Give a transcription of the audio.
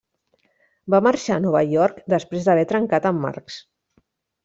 Va marxar a Nova York després d'haver trencat amb Marx.